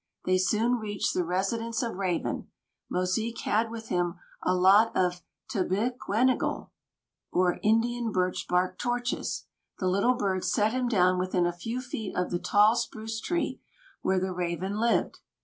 They soon reached the residence of Raven. Mosique had with him a lot of "tebequenignel," or Indian birch bark torches. The Little Birds set him down within a few feet of the tall spruce tree where the Raven lived.